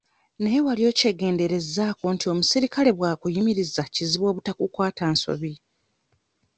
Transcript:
Naye wali okyegenderezzaako nti omusirikale bw'akuyimiriza kizibu obutakukwata nsobi?